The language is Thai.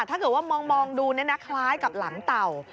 ถ้าเกิดว่ามองดูคล้ายกับหลังเต่า